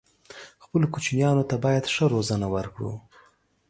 خپلو کوچنيانو ته بايد ښه روزنه ورکړو